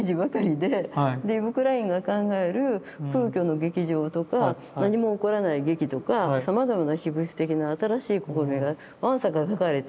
でイヴ・クラインが考える空虚の劇場とか何も起こらない劇とかさまざまな非物質的な新しい試みがわんさか書かれて。